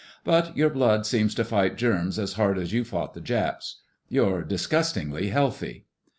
But your blood seems to fight germs as hard as you fought the Japs. You're disgustingly healthy."